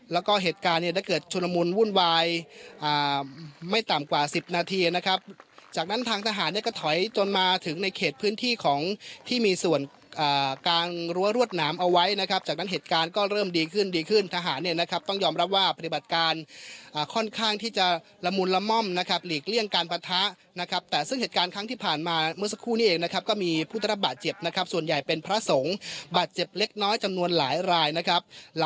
แล้วก็เหตุการณ์เนี่ยถ้าเกิดชนมุนวุ่นวายไม่ต่ำกว่าสิบนาทีนะครับจากนั้นทางทหารเนี่ยก็ถอยจนมาถึงในเขตพื้นที่ของที่มีส่วนกางรั้วรวดหนามเอาไว้นะครับจากนั้นเหตุการณ์ก็เริ่มดีขึ้นดีขึ้นทหารเนี่ยนะครับต้องยอมรับว่าปฏิบัติการค่อนข้างที่จะละมุนละม่อมนะครับหลีกเลี่ยงการประทะนะครั